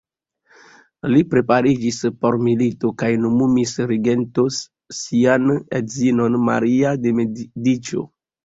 Li prepariĝis por milito kaj nomumis regento sian edzinon, Maria de Mediĉo.